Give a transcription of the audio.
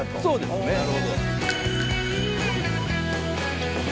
そうですね。